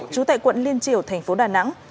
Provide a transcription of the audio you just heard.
chú tại quận liên triều tp đà nẵng